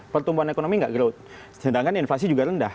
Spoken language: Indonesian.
pertumbuhan ekonomi tidak growth sedangkan inflasi juga rendah